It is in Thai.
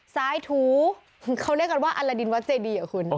สายถูเขาเรียกกันว่าอลดินวัดเจดีเหรอคุณ